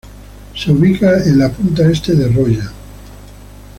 Se ubica en la punta este de Rolla.